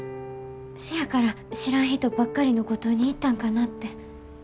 せやから知らん人ばっかりの五島に行ったんかなって。